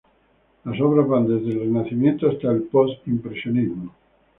Las obras van desde el Renacimiento hasta el Postimpresionismo.